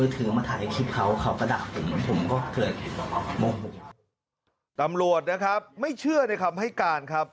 ตำรวจนะครับไม่เชื่อในคำให้การครับ